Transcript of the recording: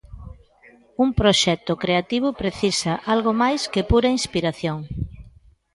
Un proxecto creativo precisa algo máis que pura inspiración...